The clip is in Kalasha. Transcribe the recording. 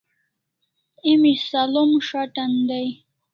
Emi s'alo'm s'atan dai